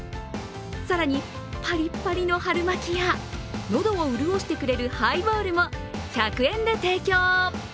更に、パリパリの春巻きや喉を潤してくれるハイボールも１００円で提供。